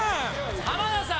浜田さん